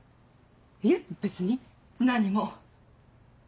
いえ別に何も。